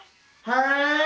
はい。